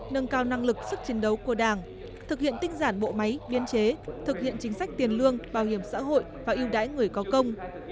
nâng cao năng lực sức chiến đấu của đảng thực hiện tinh giản bộ máy biên chế thực hiện chính sách tiền lương bảo hiểm xã hội và yêu đái người có công